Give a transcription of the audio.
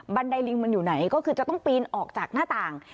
ไดลิงมันอยู่ไหนก็คือจะต้องปีนออกจากหน้าต่าง